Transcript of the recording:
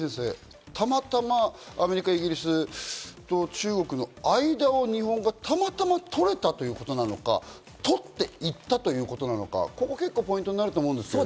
これは峰先生、たまたまアメリカやイギリス、中国の間を日本がたまたま取れたということなのか、取っていったということなのか、結構ポイントになると思うんです